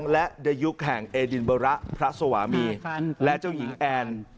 และในยุคแห่งเอดินเบอร์ระพระสวามีและเจ้าหญิงแอน